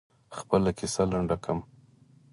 خپله کیسه لنډه کړم.